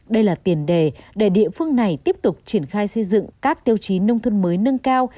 đây là tiền đề để địa phương này tiếp tục triển khai xây dựng các tiêu chí nông thôn mới nâng cao